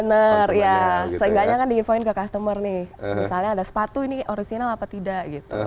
benar ya sehingga kan diinfokan ke customer nih misalnya ada sepatu ini original apa tidak gitu